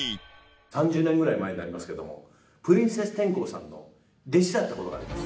３０年ぐらい前になりますけれども、プリンセス天功さんの弟子だったことがあります。